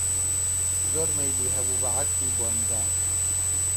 زۆر مەیلی هەبوو بە عەتری بۆندار